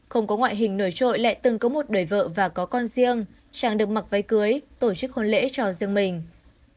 không có ngoại hình nổi trội lại từng có một đời vợ và có con riêng chàng được mặc váy cưới tổ chức hôn lễ cho riêng mình